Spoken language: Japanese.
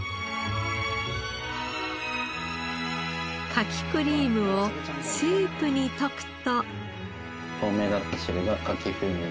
カキクリームをスープに溶くと。